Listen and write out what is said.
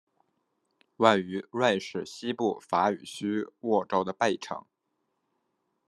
位于瑞士西部法语区沃州的贝城。